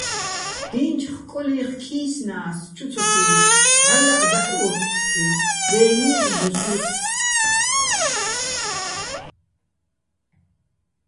დი́ნჩო̆ ხკოლი́ხ ქი́სნა́ს, ჩუ ცო თივუშ, ვჵალლაჸ დაჰ̦ ო́თთწიჼ, დე́ნი́ჰ̦-ბუსუ́ჰ̦.